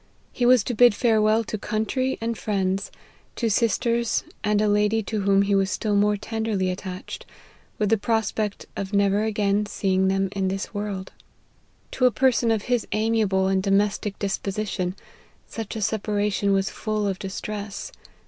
He was to bid farewell to country and friends, to sisters, and a lady to whom he was still more tenderly attached, with the pro spect of never again seeing them in this world. T< D 38 LIFE OF HENRY MARTYN. a person of his amiable and domestic disposition, such a separation was full of distress.